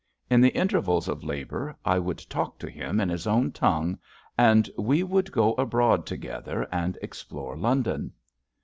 In the intervals of labour I would talk to him in his own tongue, and we would go abroad to gether and explore London.